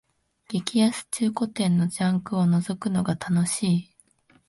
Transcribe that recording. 激安中古店のジャンクをのぞくのが楽しい